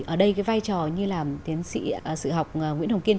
ở đây cái vai trò như là tiến sĩ sự học nguyễn hồng kiên